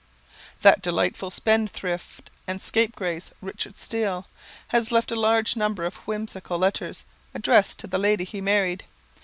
That delightful spendthrift and scapegrace, Richard Steele, has left a large number of whimsical letters, addressed to the lady he married.